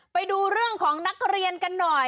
ไปดูเรื่องของนักเรียนกันหน่อย